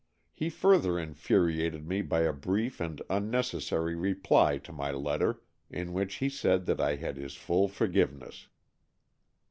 He further infuriated me by a brief and unnecessary reply to my letter, in which he said that I had his full forgiveness.